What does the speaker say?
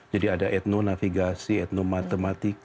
jadi ada ethno navigasi ethno matematika